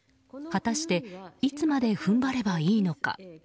果たして、いつまで踏ん張ればいいのか。